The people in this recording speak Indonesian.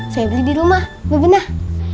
saya beli di rumah bener